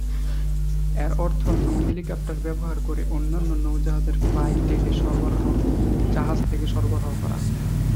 এর অর্থ নৌ-হেলিকপ্টার ব্যবহার করে অন্যান্য নৌ-জাহাজের ফ্লাইট ডেকে সরবরাহ, জাহাজ থেকে সরবরাহ করা।